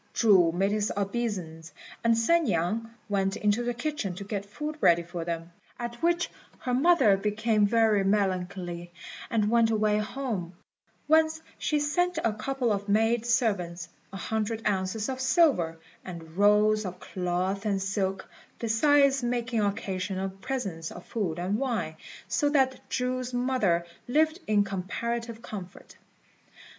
Chu made his obeisance, and San niang went into the kitchen to get food ready for them, at which her mother became very melancholy, and went away home, whence she sent a couple of maid servants, a hundred ounces of silver, and rolls of cloth and silk, besides making occasional presents of food and wine, so that Chu's mother lived in comparative comfort.